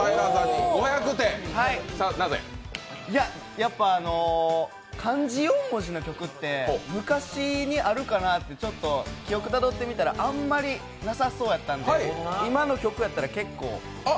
やっぱ、漢字４文字の曲って昔にあるかなってちょっと記憶たどってみたらあんまりなさそうやったんで今の曲やったら結構。